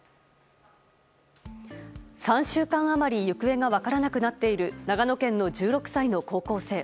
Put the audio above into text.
３週間余り行方が分からなくなっている長野県の１６歳の高校生。